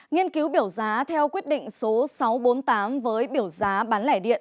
nghiên cứu biểu giá theo quyết định số sáu trăm bốn mươi tám với biểu giá bán lẻ điện